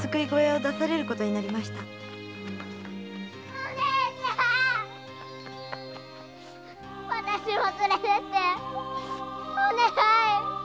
お姉ちゃんあたしも連れてってお願い